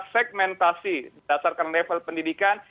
segmentasi dasarkan level pendidikan